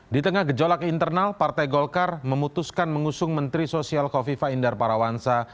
di tengah gejolak internal partai golkar memutuskan mengusung menteri sosial kofifa indar parawansa